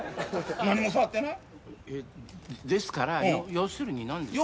何も触ってないですから要するに何ですか